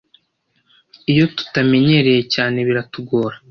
iyo tutamenyereye cyane biratugora